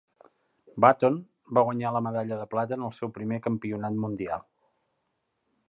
Button va guanyar la medalla de plata en el seu primer campionat mundial.